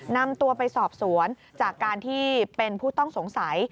นำตัวไปสอบสวนจากการที่เป็นผู้ต้องสงสัย